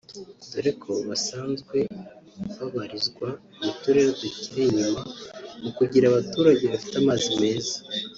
dore ko basanzwe babarizwa mu turere tukiri inyuma mu kugira abaturage bafite amazi meza